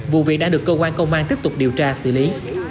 vụ việc đã được công an công an tiếp tục điều tra xử lý